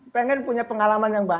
pengen punya pengalaman yang baik